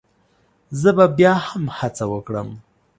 زه به بيا هم هڅه وکړم